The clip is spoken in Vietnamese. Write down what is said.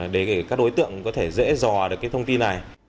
để các đối tượng có thể dễ dò được cái thông tin này